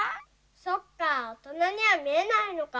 そっかおとなにはみえないのか。